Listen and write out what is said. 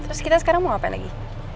terus kita sekarang mau ngapain lagi